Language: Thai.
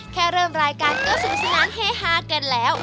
แค่เริ่มรายการก็สนุกสนานเฮฮากันแล้ว